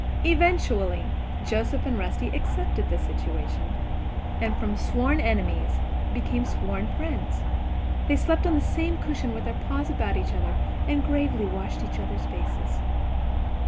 Eventually Joseph and Rusty accepted the situation and from sworn enemies became sworn friends. They slept on the same cushion with their paws about each other, and gravely washed each other's faces.